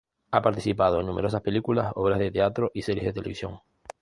Ha participado en numerosas películas, obras de teatro y series de televisión.